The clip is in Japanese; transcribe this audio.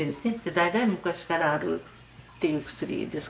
大体昔からあるっていう薬ですからね。